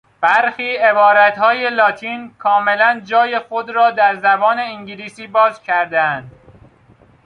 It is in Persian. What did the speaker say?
برخی عبارت های لاتین کاملا جای خود را در زبان انگلیسی باز کردهاند.